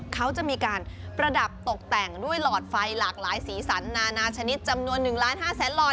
เขาจะมีการประดับตกแต่งด้วยหลอดไฟหลากหลายสีสันนานาชนิดจำนวน๑ล้าน๕แสนหลอด